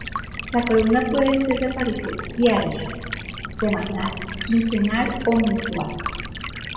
La columna puede ser de aparición diaria, semanal, quincenal o mensual.